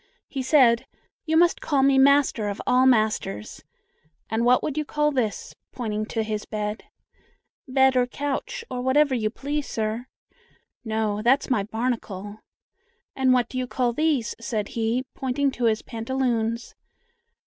He said: "You must call me 'Master of all Masters.' And what would you call this?" pointing to his bed. "Bed or couch, or whatever you please, sir." "No, that's my 'barnacle.' And what do you call these?" said he, pointing to his pantaloons.